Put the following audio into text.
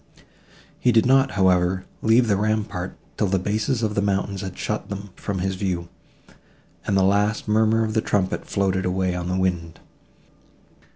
He did not, however, leave the rampart, till the bases of the mountains had shut them from his view, and the last murmur of the trumpet floated away on the wind.